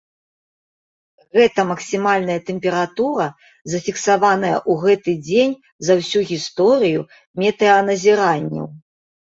Гэта максімальная тэмпература, зафіксаваная ў гэты дзень за ўсю гісторыю метэаназіранняў.